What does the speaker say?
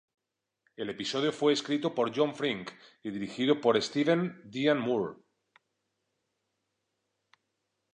El episodio fue escrito por John Frink y dirigido por Steven Dean Moore.